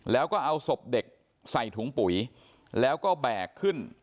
แล้วก็เอาศพเด็กใส่ถุงปุ๋ยแล้วก็แบกขึ้น